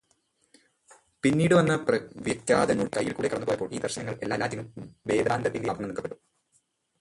പിന്നീട് വന്ന വ്യാഖ്യാതാക്കളുടെ കൈയിൽകൂടെ കടന്നുപോയപ്പോൾ ഈ ദർശനങ്ങൾ എല്ലാറ്റിനും വേദാന്തത്തിന്റെ ആവരണം നൽകപെട്ടു.